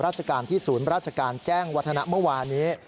ราชการที่ศูนย์ราชการแจ้งวัฒนะเมื่อวานี้